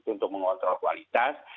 untuk mengontrol kualitas